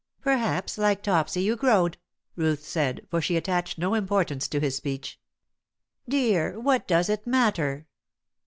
"Perhaps, like Topsy, you growed," Ruth said, for she attached no importance to his speech. "Dear! What does it matter?"